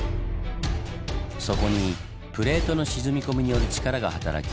そこにプレートの沈み込みによる力が働き